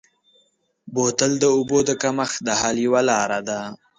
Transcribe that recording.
بوتل د اوبو د کمښت د حل یوه لاره ده.